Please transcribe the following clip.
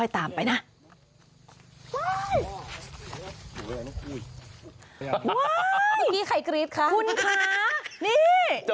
ทาเหิดค่อยตามไปนะ